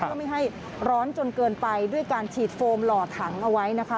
เพื่อไม่ให้ร้อนจนเกินไปด้วยการฉีดโฟมหล่อถังเอาไว้นะคะ